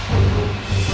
aku mau kemana